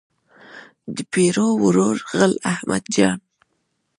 د پیرو ورور غل احمد جان.